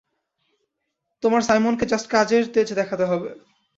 তোমার সাইমনকে জাস্ট কাজের তেজ দেখাতে হবে।